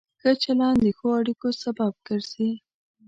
ښه چلند د ښو اړیکو سبب ګرځي.